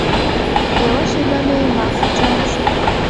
یوه شېبه مې ماغزه جام شول.